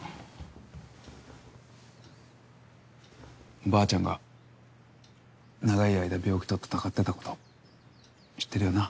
おばあちゃんが長い間病気と闘ってたこと知ってるよな？